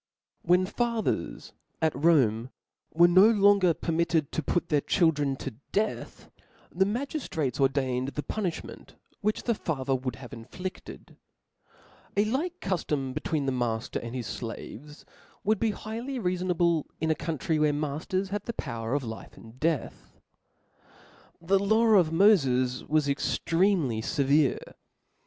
When fathers, at Rome, were no longer per mitted to put their children to death, the magif (y)Sceiawtrates ordained the C") punifliment which the fa CoAtde ^l^cr would have inflifted. A like cuftom be t^p^P^' tvfttti the matter and his 'flaves would be highly the cm/ reafonable in a country, where ^matters have the Pf ror power of life and death. Alexan * der. The law of Moles was extremely fevere.